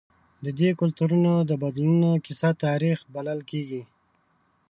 د دې کلتورونو د بدلونونو کیسه تاریخ بلل کېږي.